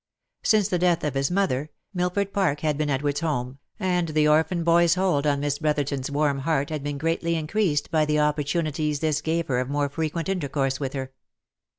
Since the death of his mother, Milford Park had been Edward's home, and the orphan boy's hold on Miss Brotherton's warm heart had been greatly increased by the opportunities this gave her of more frequent intercourse with her.